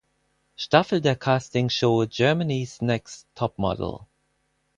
Staffel der Castingshow "Germany’s Next Topmodel".